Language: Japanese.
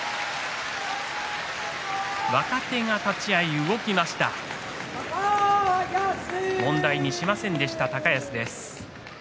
若手が立ち合いで動きましたが問題にしませんでした高安です。